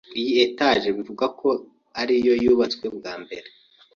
Iyi etage bivugwa ko ariyo yubatswe bwa mbere